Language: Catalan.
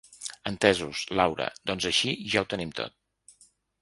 Entesos, Laura, doncs així ja ho tenim tot.